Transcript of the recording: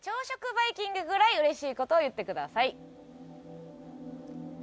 バイキングぐらいうれしい事を言ってください。